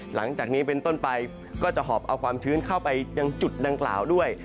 หลังจากนี้เป็นต้นไปก็จะหอบเอาความชื้นเข้าไปยังจุดดังกล่าวด้วย